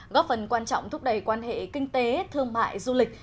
góp phần quan trọng thúc đẩy quan hệ kinh tế thương mại du lịch